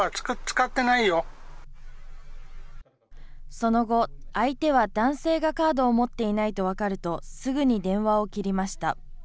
その後、相手は男性がカードを持っていないと分かるとすぐに電話を切りました。